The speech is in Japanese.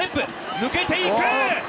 抜けていく！